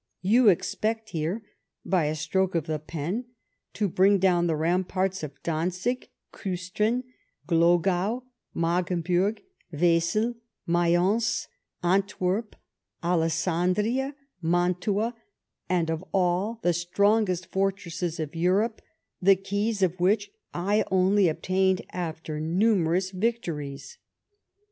You expect here, by a stroke of the pen, to bring down the ramparts of Dantzig, Kiistrin, Glogau, Magdeburg, Wesel, Mayence, Antwerp, Alessandiia, Mantua, and of all the strongest fortresses of Europe, the keys of which I only obtained after numerous victories